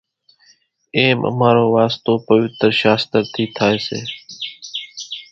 ايم امارو واسطو پويتر شاستر ٿي ٿائي سي،